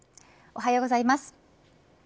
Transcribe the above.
おはようございます。